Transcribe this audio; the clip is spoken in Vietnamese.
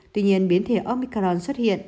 tuy nhiên biến thể omicron xuất hiện